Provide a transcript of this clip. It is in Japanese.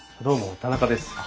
どうも田中です